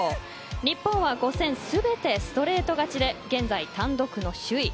日本は５戦全てストレート勝ちで現在単独の首位。